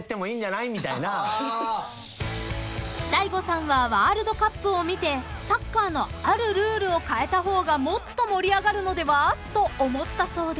［大悟さんはワールドカップを見てサッカーのあるルールを変えた方がもっと盛り上がるのでは？と思ったそうで］